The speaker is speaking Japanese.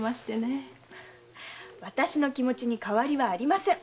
私の気持ちに変わりはありません。